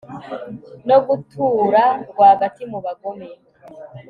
no gutura rwagati mu bagome